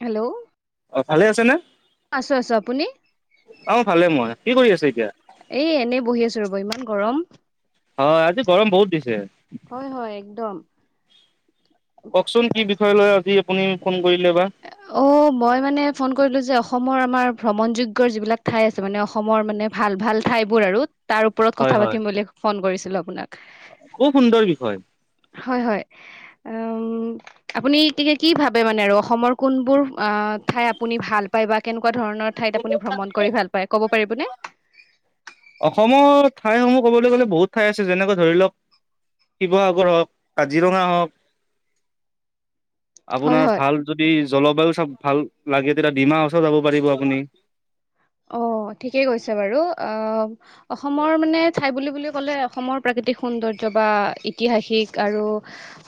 Hello, অ ভালে আছে নে? আছো - আছো আপুনি? অ, ভালে মই কি কৰি আছ এতিয়া। এ - এনেই বহি আছো ৰ'ব ইমান গৰম। হয় আজি গৰম বহুত দিছে। হয় হয় একদম কওকচোন কি বিষয় লয় আজি আপুনি ফোন কৰিলে বা অ, মই মানে ফোন কৰিলো যে অসমৰ আমাৰ ভ্ৰমণযোগ্যৰ যিবিলাক ঠাই আছে মানে অসমৰ মানে ভাল ভাল ঠাইবোৰ আৰু তাৰ ওপৰত হয় কথা হয় পাতিম বুলি ফোন কৰিছিলো আপোনাক? খুব সুন্দৰ বিষয়। হয় - হয় উম, আপুনি এতিয়া কি ভাবে মানে আৰু অসমৰ কোনবোৰ ঠাই আপুনি ভাল পায় বা কেনেকুৱা ধৰণৰ ঠাইত আপুনি ভ্ৰমণ কৰি ভাল পায় ক'ব পাৰিবনে? অসমৰ ঠাইসমূহ ক'বলৈ গ'লে বহুত ঠাই আছে যেনেকে ধৰি লওক শিৱসাগৰ হওক কাজিৰঙা হওক। হয় আপোনাৰ হয় ভাল যদি জলবায়ু চব ভাল লাগে তেতিয়া ডিমা হাচাও যাব পাৰিব আপুনি। অ, ঠিকেই কৈছে বাৰু অ, অসমৰ মানে ঠাই বুলি কলে ক'লে অসমৰ প্ৰাকৃতিক সৌন্দৰ্য বা ঐতিহাসিক আৰু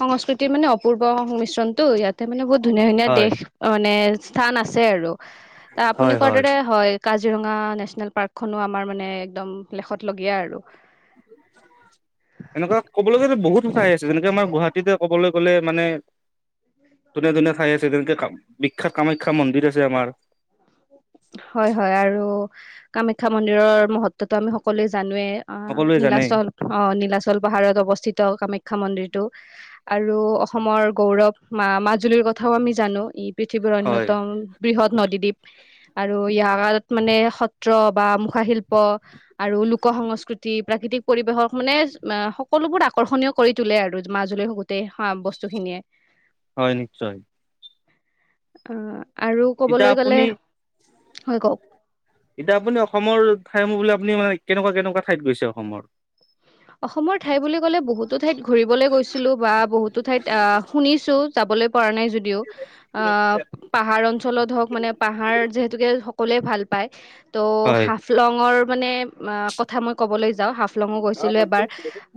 সংস্কৃতিৰ মানে অপূৰ্ব মিশ্ৰণটো ইয়াত তাৰ মানে বহুত ধুনীয়া ধুনীয়া হয় দেশ মানে স্থান আছে আৰু ত আপুনি কোৱাৰ দৰে হয়। কাজিৰঙা নেচনেল পাৰ্কখনো আমাৰ মানে একদম লেখতলগীয়া আৰু। [inaudible] এনেকুৱা ক'বলৈ গ'লে বহুত ঠাই আছে যেনেকে আমাৰ গুৱাহাটীতে ক'বলৈ গ'লে মানে ধুনীয়া - ধুনীয়া ঠাই আছে তেনেকে বিখ্যাত কামাখ্যা মন্দিৰ আছে আমাৰ হয় - হয় আৰু কামাখ্যা মন্দিৰৰ মহত্বটো আমি সকলোৱে জানোৱেই। অ, সকলোৱে জানেই নীলাচল - অ, নীলাচল পাহাৰত অৱস্থিত কামাখ্যা খ্যা মন্দিৰটো আৰু অসমৰ গৌৰৱ মা মাজুলীৰ কথাও আমি জানো। পৃথিৱীৰ হয় অন্যতম বৃহৎ নদীদ্বীপ আৰু ইয়াৰ মানে সত্ৰ বা মুখাশিল্প আৰু লোক সংস্কৃতি প্ৰাকৃতিক পৰিবেশক মানে সকলোবোৰ আকৰ্ষণীয় কৰি তোলে আৰু মাজুলী হ গোটেই বস্তু খিনিয়ে। হয় নিশ্চয়। অ' আৰু এতিয়া ক'বলৈ গ'লে আপুনি এতিয়া আপুনি অসমৰ ঠাইসমূহ ক'বলৈ গ'লে আপুনি মানে কেনেকুৱা-কেনেকুৱা ঠাইত গৈছে অসমৰ? অসমৰ ঠাই বুলি ক'লে বহুতো ঠাইত ঘুৰিবলৈ গৈছিলোঁ বা বহুতো ঠাইত অ' শুনিছোঁ যাবলৈ পৰা নাই যদিও অ' পাহাৰ অঞ্চলত হওঁক মানে পাহাৰ যিহেতুকে সকলোৱে ভাল পায় ত হয়। হাফলংৰ মানে কথা মই ক'বলৈ যাওঁ হাফলঙো গৈ গৈছিলোঁ এবাৰ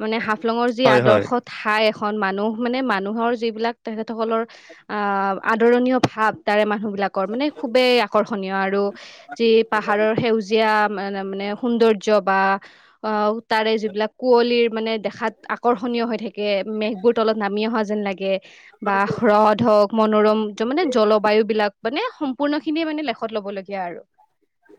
মানে হাফলঙৰ যি হয় হয় আদৰ্শ ঠাই খন মানুহ মানে মানুহৰ যিবিলাক তেখেতসকলৰ অ' আদৰণীয় ভাৱ তাৰে মানুহবি বিলাকৰ মানে খুবেই আকৰ্ষণীয় আৰু যি পাহাৰৰ সেউজীয়া মানে সৌন্দৰ্য্য বা অ' তাৰে এইবিলাক কুঁৱলীৰ মানে দেখাত আকৰ্ষণীয় হৈ থাকে, মেঘবোৰ তলত নামি অহা যেন লাগে। বা হ্ৰদ হওক মনোৰমতো মানে জলবায়ু বিলাক মানে সম্পূৰ্ণ খিনিয়ে মানে লেখত ল'বলগীয়া আৰু।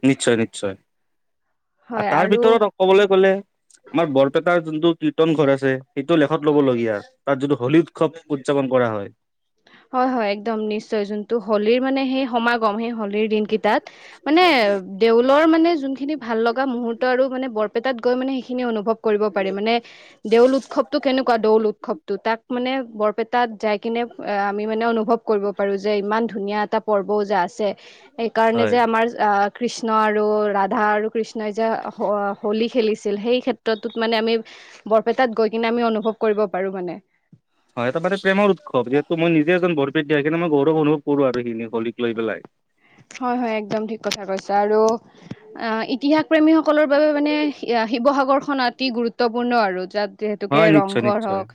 নিশ্চয়-নিশ্চয় আ হয় তাৰ আৰু ভিতৰত ক'বলৈ গলে আমাৰ বৰপেটাৰ যোনটো কীৰ্তন ঘৰ আছে সেইটোও লেখত ল'বলগীয়া তাত যিটো হোলী উৎসৱ উদযাপন কৰা অ, হয়। হয়-হয় একদম নিশ্চয় যোনটো হোলীৰ মানে সেই সমাগম সেই হোলীৰ দিন কেই টাত মানে দেউল লৰ মানে যোনখিনি ভাল লগা মুহূৰ্ত আৰু মানে বৰপেটাত গৈ মানে সেইখিনি অনুভৱ কৰিব পাৰি মানে দেউল উৎসৱটো কেনেকুৱা দৌল উৎসৱ তো তাত মানে বৰপেটাত যাই কিনে এ আমি মানে অনুভৱ কৰিব পাৰো যে ইমান ধুনীয়া এটা পৰ্বও যে আছে যে সেইকাৰণে হয় যে আমাৰ অ, কৃষ্ণ আৰু ৰাধা আৰু কৃষ্ণই যে হ-হোলী খেলিছিল সেই ক্ষেত্ৰটোত মানে আমি বৰপেটাত গৈ কিনে আমি অনুভৱ কৰিব পাৰো মানে। হয় এটা মানে প্ৰেমৰ উৎসৱ যিহেতু মই নিজে এজন বৰপেটিয়া সেইকাৰণে মই গৌৰৱ অনুভৱ কৰো আৰু সিখিনি হোলীক লৈ পেলাই। হয়-হয় একদম ঠিক কথা কৈছ আৰু অ, ইতিহাস প্ৰেমীসক সকলৰ বাবে মানে এয়া শিৱসাগৰখন অতি গুৰুত্বপূৰ্ণ আৰু যাত যিহেতুকে হয় নিশ্চয় ৰংঘৰ নিশ্চয় হওঁক,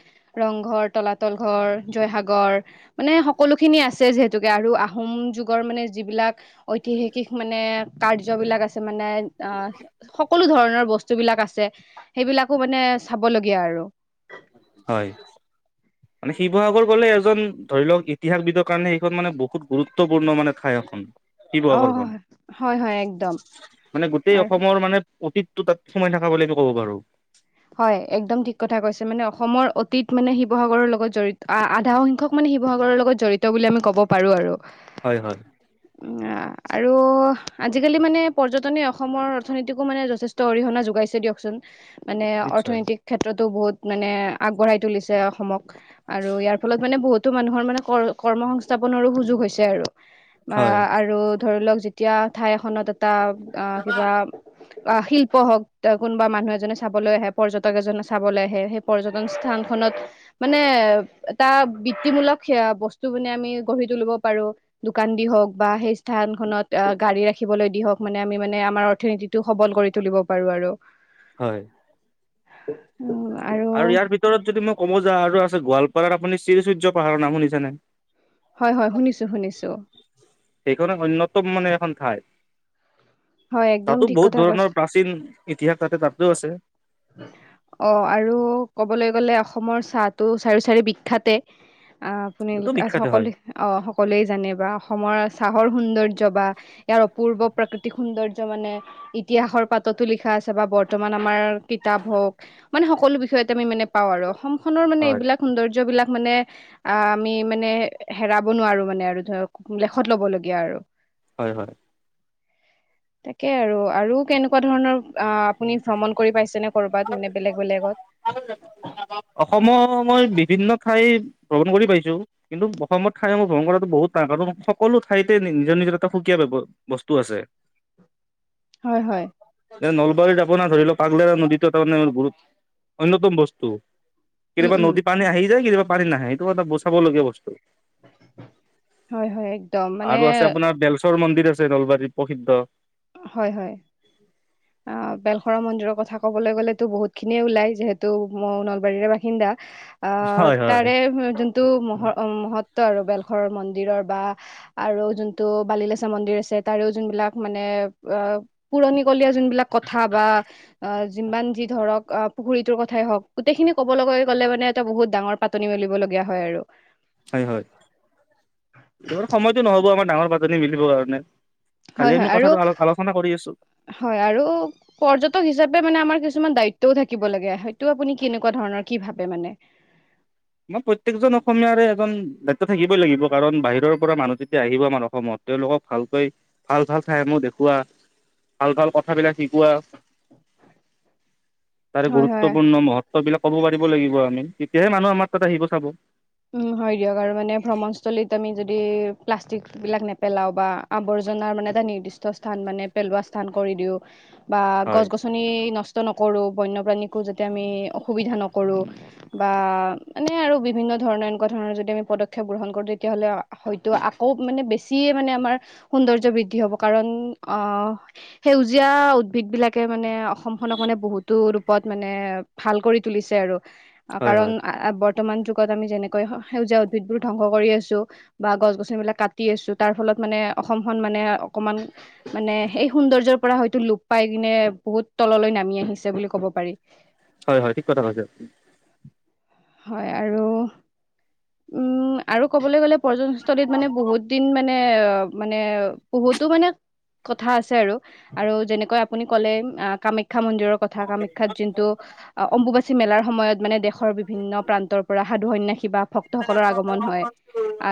ৰংঘৰ, তলাতল ঘৰ, জয়সাগৰ মানে সকলো খিনি আছে যিহেতুকে আৰু আহোম যুগৰ মানে যিবিলাক ঐতিহাসিক মানে কাৰ্যবিলাক আছে মানে অ, সকলো ধৰণ ণৰ বস্তু বিলাক আছে সেইবিলাকো মানে চাবলগীয়া আৰু। হয়। মানে শিৱসাগৰ গলে এজন ধৰি লওক ইতিহাসবিদৰ কাৰণে সেইখন মানে বহুত গুৰুত্বপূৰ্ণ মানে ঠাই অ শিৱসাগৰখন হয় হয় একদম মানে গোটেই আৰু অসমৰ মানে অতীত তো তাত সোমাই থাকা বুলিটো ক'ব পাৰো হয় একদম ঠিক কথা কৈছে মানে অসমৰ অতীত মানে শিৱসাগৰৰ লগত জড়িত আধা সংখ্যক মানে শিৱসাগৰৰ লগত জড়িত বুলি আমি ক'ব পাৰো আৰু হয় হয় অ আৰু আজিকালি মানে পৰ্যটনে অসমৰ অৰ্থনীতিকো মানে যথেষ্ট অৰিহণা যোগাইছে দিয়কচোন মানে অৰ্থনৈতিক ক্ষেত্ৰতো বহুত মানে আগবঢ়াই তুলিছে অসমক আৰু ইয়াৰ ফলত মানে বহুতো মানুহৰ মানে কৰ কৰ্ম সংস্থাপনৰো সুযোগ হৈছে আৰু বা হয় আৰু ধৰি লওক যেতিয়া ঠাই এখনত এটা আহ কিবা অ শিল্প হওক বা কোনোবা মানুহ এজনে চাবলৈ আহে পৰ্যটক এজনে চাবলৈ আহে সেই পৰ্যটন স্থান খনত মানে এটা বৃত্তিমূলক সেয়া বস্তু মানে আমি গঢ়ি তুলিব পাৰো দোকান দি হওঁক বা সেই স্থান খনত গাড়ী ৰাখিলৈ দি হওক মানে আমি মানে আমাৰ অথনৈতিক টো সবল কৰি তুলিব পাৰো আৰু হয় আ আৰু ইয়াৰ ভিতৰত যদি মই ক'ব যাও আৰু আছে গোৱালপাৰাৰ আপুনি শ্ৰী সূৰ্য পাহাৰৰ নাম শুনিছেনে হয়, হয়, শুনিছোঁ, শুনিছোঁ। সেইখন অন্যতম মানে এখন ঠাই হয় একদম তাতো ঠিক বহুত কথা ধৰণৰ কৈছে প্ৰাচীন ইতিহাস তাতে, তাতো আছে অ, আৰু ক'বলৈ গ'লে অসমৰ চাহটো চাৰি চাইদে বিখ্যাতে আ, তাতো আপোনালোক বিখ্যাত হয় সকলো অ, সকলোৱে জানে বা অসমৰ চাহৰ সৌন্দৰ্য য বা ইয়াৰ অপূৰ্ব প্ৰাকৃতি দয্য মানে, ইতিহাসৰ পাততো লিখা আছে বা বৰ্তমান আমাৰ কিতাপ হওক সকলো বিষয়তে আমি মানে পাওঁ আৰু অসমখনৰ মানে হয় এইবিলাক সৌন্দৰ্যবিলাক মানে, আ মি মানে হেৰাব নোৱাৰোঁ মানে আৰু ধৰক, লেখত ল'বলগীয়া আৰু হয়, হয় তাকে আৰু, আৰু কেনেকুৱা ধৰণৰ আ, আপুনি ভ্ৰমণ কৰি পাইছেনে? কৰ'বাত মানে বেলেগ বেলেগত অসমৰ মই বিভিন্ন ঠাইত ভ্ৰমণ কৰি পাইছোঁ, কিন্তু অসমত ঠাইসমূহ ভ্ৰমণ কৰাটো বহুত টান, কাৰণ সকলো ঠাইতে নিজৰ নিজৰ এটা সুকীয়া সুকীয়া বস্তু আছে হয়, হয় নলবাৰীত আপোনাৰ ধৰি লওক পাগলাদিয়া নদীটো তাৰমানে অন্যতম বস্তু। উম কেতিয়াবা উম নদী পানী আহি যায়, কেতিয়াবা পানী নাহে, এইটো এটা বচাবলগীয়া বস্তু। হয় হয় একদম মানে আৰু আছে আপোনাৰ বেলচৰ মন দিৰ‌ আছে নলবাৰীত প্ৰসিদ্ধ। হয়, হয়। অ', বেলখৰা মন্দিৰৰ কথা ক'বলৈ গ'লেতো বহুতখিনিয়ে ওলাই যিহেতু ময়ো নলবাৰীৰে বাসিন্দা। অ', হয় হয় তাৰে যোনটো মহ-অ', মহৎ ত, আৰু বেলখৰৰ মন্দিৰৰ বা আৰু যোনটো বালিলেচৰ মন্দিৰ আছে, তাৰেও যোনবিলাক মানে অ', পুৰণিকলীয়া যোনবিলাক কথা বা অ', যিমান যি ধৰক অ', পুখুৰীটোৰ কথ হওঁক, গোটেইখিনি ক'বলৈ গ'লে মানে, এটা বহুত ডাঙৰ পাতনি মেলিবলগীয়া হয়, আৰু। হয়, হয়, সময়টো নহ'ব, আমাৰ ডাঙৰ পাতনি মেলিবৰ কাৰণে। কালি হয় হয় আমি আৰু কথাটো আলো-আলোচনা কৰি আছো হয়, আৰু পৰ্যটক হিচাপে মানে আমাৰ কিছুমান দায়িত্বয়ো থাকিব লাগে, হেইটো আপুনি কিনিক কোৱা ধৰণৰ কি ভাবে মানে? প্ৰত্যকজন অসমীয়াৰে এজন দায়িত্ব থাকিবই লাগিব, কাৰণ বাহিৰৰ পৰা মানুহ যেতিয়া আহিব আমাৰ অসমত তেওঁলোকক ভালকৈ ভাল, ভাল ঠাইসমূহ দেখুওৱা। ভাল, ভাল কথাবিলাক শিকোৱা। তাৰে হয় হয় গুৰুত্বপূৰ্ণ মহত্ববিলাক ক'ব পাৰিব লাগিব আমি, তেতিয়াহে মানুহ আমাৰ তাত আহিব চাব। উম হয়, দিয়ক আৰু মানে ভ্ৰমণস্থলীত আমি যদি প্লাষ্টিকবিলাক নেপেলাওঁ বা আৱৰ্জনাৰ মানে এটা নিৰ্দিষ্ট স্থান মানে পেলোৱা স্থান কৰি দিওঁ বা গছ হয় গছনি নচ নকৰোঁ, বন্যপ্ৰাণীকো যাতে আমি অসুবিধা নকৰোঁ, বা মানে আৰু বিভিন্ন ধৰণৰ‌ এনেকুৱা ধৰণৰ যদি আমি পদক্ষেপ গ্ৰহণ কৰোঁ, তেতিয়াহ'লে হয়তো আকৌ মানে বেছিয়ে মানে আমাৰ সো সৌন্দৰ্য্য বৃদ্ধি হ'ব, কাৰণ অ', সেউজীয়া উদ্ভিদবিলাকে মানে অসমখনক মানে বহুতো ৰূপত মানে ভাল কৰি তুলিছে আৰু, হয় কাৰণ হয় আ, বৰ্তমানটো ত' আমি যেনেকৈ সেউজীয়া উদ্ভিদবোৰ ধ্বংস কৰি আছোঁ বা গছ গছনিবিলাক কাটি আছোঁ, তাৰফলত মানে অসমখন মানে অকমান মানে সেই সৌন্দৰ্যৰ পৰা হয়তো লোপ পাই কিনে বহুত তললৈ নামি আহিছে বুলি ক'ব পাৰি। হয় হয় ঠিক কথা হয়, আৰু উম, আৰু ক'বলৈ গ'লে পৰ্যটনস্থলীত মানে বহুত দিন মানে অ', মানে বহুতো মানে কথা আছে আৰু, আৰু যেনেকৈ আপুনি ক'লে আ, কামাখ খা, মন্দিৰৰ কথা, কামাখ্যাত যোনটো অ', অম্বুবাচী মেলাৰ সময়ত মানে দেশৰ বিভিন্ন প্ৰান্তৰ পৰা সাধু, সন্যাসী বা ভক্তসকলৰ আগমন হয়,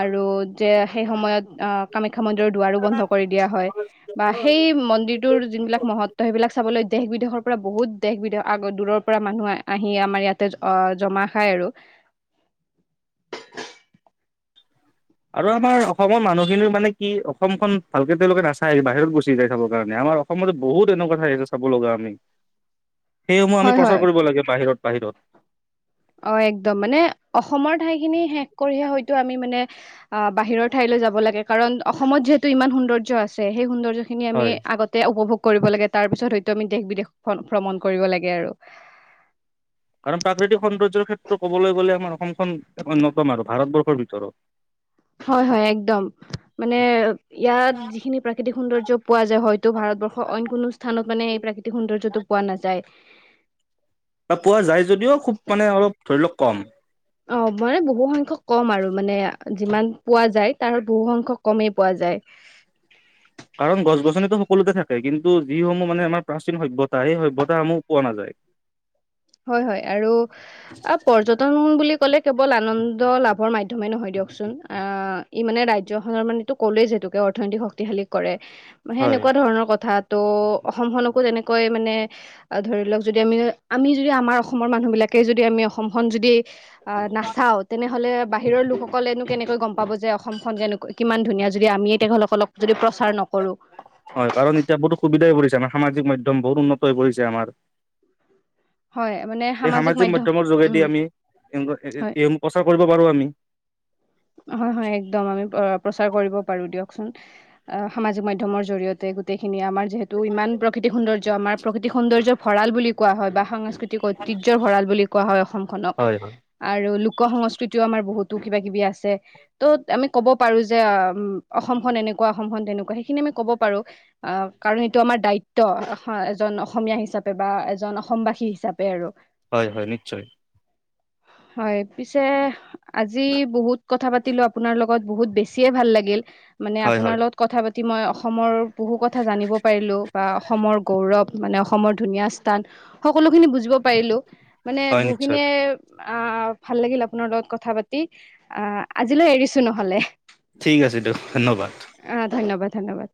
আৰু যে, সেই সময়ত অ', কামাখ্যা মন্দিৰৰ দুৱাৰো বন্ধ কৰি দিয়া হয়, বা সেই মন্দিৰটোৰ যোনবিলাক মহত্ব সেইবিলাক চাবলৈ দেশ বিদেশৰ পৰা বহুত দেশ, বিদেশ আগ দূৰৰ পৰা মানুহ আ-আহি আমাৰ ইয়াতে অ', জমা খায় আৰু। আৰু আমাৰ অসমৰ মানুহখিনিও মানে কি, অসমখন ভালকে তেওঁলোকে নাচাই, বাহিৰত গুচি যায় চাবৰ কাৰণে। আমাৰ অসমত বহুত এনেকুৱা ঠাই আছে চাব লগা আমি। সেইসমূহ আমি হয় প্ৰচাৰ হয় কৰিব লাগে বাহিৰত, বাহিৰত। অ', একদম। মানে অসমৰ ঠাইখিনি শেষ কৰিহে হয়তো আমি মানে অ', বাহিৰৰ ঠাই যাব লাগে, কাৰণ অসমত যিহেতু ইমান সৌন্দৰ্য আছে, সেই সৌন্দৰ্যখিনি আমি হয় আগতে উপভোগ কৰিব লাগে, তাৰপিছত হয়তো আমি দেশ, বিদেশ ভ-ভ্ৰমণ কৰিব লাগে আৰু। কাৰণ প্ৰাকৃতিক সৌন্দৰ্যৰ ক্ষেত্ৰত ক'বলৈ গ'লে, আমাৰ অসমখন অন্যতম আৰু ভাৰতবৰ্ষৰ ভিতৰত। হয় হয়, একদম। মানে ইয়াত যিখিনি প্ৰাকৃতিক সৌন্দৰ্য পোৱা যায় হয়তো ভাৰতবৰ্ষৰ অইন কোনো স্থানত মানে এই প্ৰাকৃতিক সৌন্দৰ্যটো পোৱা নাযায়। পোৱা যায় যদিও খুব মানে অলপ ধৰি লওক কম। অ', মানে বহু সংখ্যক কম আৰু মানে যিমান পোৱা যায়, তাৰ বহু সংখ্যক কমেই পোৱা যায়। [unintelligible] কাৰণ গছ গছনিটো সকলোতে থাকে কিন্তু যিসমূহ মানে আমাৰ প্ৰাচীন সভ্যতা, সেই সভ্যতাসমূহ পোৱা নাযায়। হয় হয় আৰু পৰ্যটন বুলি ক'লে কেৱল আনন্দ লাভৰ মাধ্যমেই নহয় দিয়কচোন, আ ই মানে ৰাজ্যখনৰ মানেটো ক'লোৱেই যে টোকে অৰ্থনৈতিক শক্তিশালী কৰে, হয় সেনেকুৱা ধৰণৰ কথাত। ত' অসমখনকো যেনেকৈ মানে, ধৰি লওক, যদি আমি, আমি যদি আমাৰ অসমৰ মানুহ বিলাকেই যদি আমি অসমখন যদি নাচাওঁ, তেনেহলে বাহিৰৰ লোকস সকলেনো কেনেকৈ গম পাব যে, অসমখন যেনেক কিমান ধুনীয়া যদি আমিয়েই তেখেতক হয়, কাৰণ এতিয়া বহুত সুবিধাই পৰি আ সামাজিক মাধ্যম বহুত উন্নত হৈ পৰিছে আমাৰ হয় মানে এই সামাজিক মাধ্যম মাধ্যমৰ যোগেদি উম আমি এএ হয় প্ৰচাৰ কৰিব ব পাৰো আমি হয় হয় একদম আমি প প্ৰচাৰ চাৰ কৰিব পাৰো দিয়ক চোন আ সামাজিক মাধ্যমৰ জৰিয়তে গোটেইখিনি আমা যিহেতু ইমান প্ৰকৃতিক সৌন্দৰ্য আমাৰ প্ৰকৃতিক সৌন্দৰ্য ভৰাল বুলি কোৱা হয় বা সাংস্কৃতিক ঐতিহ্য ভঁৰাল বুলি কোৱা হয় অসমখনক হয় হয় আৰু লোক সংস্কৃতিও আমাৰ বহুত তো কিবা কিবি আছে ত' আমি কব পাৰো যে অসমখন এনেকুৱা অসমখন তেনেকুৱা সেইখিনি আমি কব পাৰো আহ কাৰণ এইটো আমাৰ দায়িত্ব এজন অসমীয়া হিচাপে বা এজন অসমবাসী হিচাপে আৰু হয় হয় নিশ্চয় হয় পিছে আজি বহুত কথা পাতিলোঁ আপোনাৰ লগত বহুত বেছিয়ে ভাল লাগিল মানে হয় হয় আপোনাৰ লগত কথা পাতি মই অসমৰ বহু কথা জানিব পাৰিলোঁ বা অসমৰ গৌৰৱ মানে অসমৰ ধুনীয়া স্থান সকলো খিনি বুজিব পাৰিলো মানে হয় নিশ্চয় বহুখিনিয়ে অ ভাল লাগিল আপোনাৰ লগত কথা পাতি আহ আজিলৈ এৰিছো নহ'লে ঠিক আছে দিয়ক ধন্যবাদ আহ ধন্যবাদ ধন্যবাদ